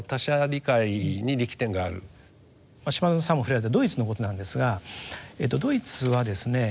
島薗さんも触れられたドイツのことなんですがドイツはですね